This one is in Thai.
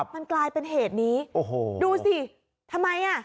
มันกลายเป็นเหตุนี้โอ้โหดูสิทำไมอ่ะ